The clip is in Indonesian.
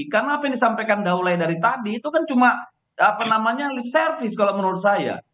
karena apa yang disampaikan daule dari tadi itu kan cuma lip service kalau menurut saya